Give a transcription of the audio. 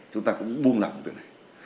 chúng ta cũng buông lặng về này